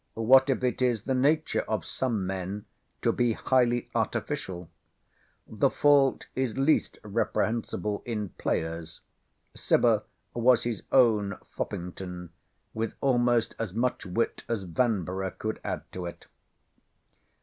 What if it is the nature of some men to be highly artificial? The fault is least reprehensible in players. Cibber was his own Foppington, with almost as much wit as Vanburgh could add to it.